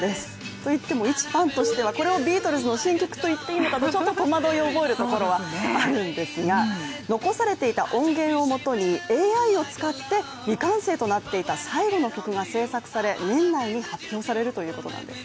といっても一ファンとしては、これをビートルズの新曲と言っていいのかとちょっと戸惑いを覚えるところはあるんですが残されていた音源をもとにＡＩを使って、未完成となっていた最後の曲が制作され年内に発表されるということなんです。